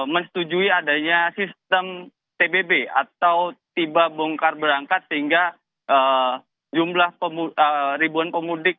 menyetujui adanya sistem tbb atau tiba bongkar berangkat sehingga jumlah ribuan pemudik